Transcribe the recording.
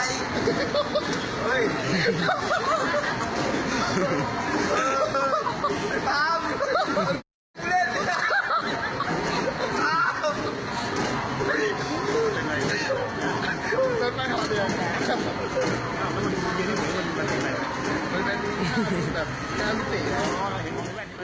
เกล็ดไปขวาเดียว